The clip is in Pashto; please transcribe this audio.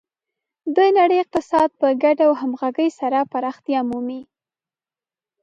د نړۍ اقتصاد په ګډه او همغږي سره پراختیا مومي.